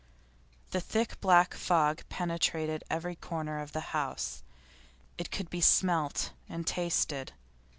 The thick black fog penetrated every corner of the house. It could be smelt and tasted.